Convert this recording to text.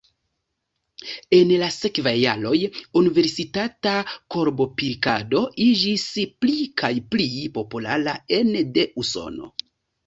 En la sekvaj jaroj universitata korbopilkado iĝis pli kaj pli populara ene de Usono.